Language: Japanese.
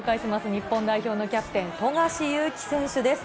日本代表のキャプテン、富樫勇樹選手です。